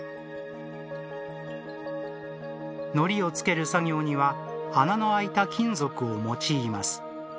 糊をつける作業には穴の空いた金属を用います。